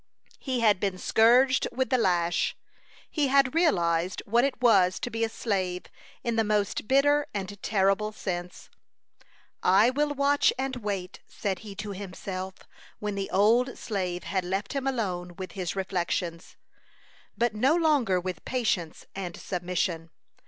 He had been scourged with the lash. He had realized what it was to be a slave in the most bitter and terrible sense. "I will watch and wait," said he to himself, when the old slave had left him alone with his reflections, "but no longer with patience and submission.